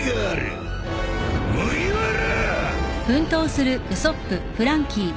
麦わら！